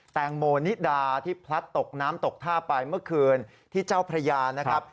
แตงโมนิดาที่พลัดตกน้ำตกท่าไปเมื่อคืนที่เจ้าพระยานะครับ